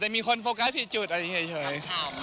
มีโฟกัสผิดจุดอย่างนี้เฉย